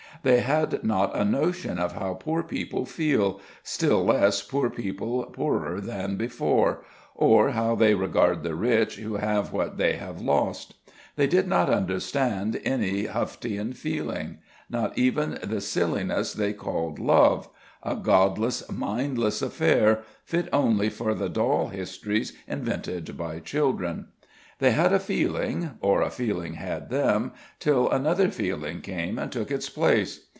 They had not a notion how poor people feel, still less poor people poorer than before or how they regard the rich who have what they have lost. They did not understand any huftian feeling not even the silliness they called LOVE a godless, mindless affair, fit only for the doll histories invented by children: they had a feeling, or a feeling had them, till another feeling came and took its place.